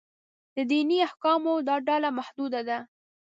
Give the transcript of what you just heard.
د دیني احکامو دا ډله محدود ده.